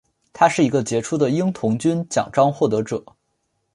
他是一个杰出的鹰童军奖章获得者。